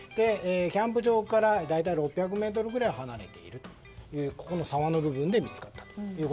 キャンプ場から大体６００ｍぐらい離れているというここも沢の部分で見つかったと。